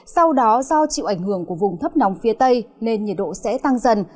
sau đó do chịu ảnh hưởng của vùng thấp nóng phía tây nên nhiệt độ sẽ tăng dần